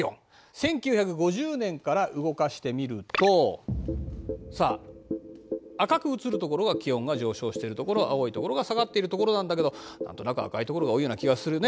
１９５０年から動かしてみるとさあ赤く映るところが気温が上昇しているところ青いところが下がっているところなんだけど何となく赤いところが多いような気がするね。